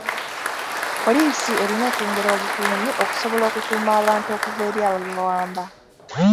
Poliisi erina okwongera obukuumi okusobola okukuuma abantu okuva eri ababawamba.